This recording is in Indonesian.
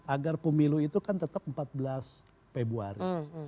agar pemilu itu kan tetap empat belas februari dua ribu dua puluh empat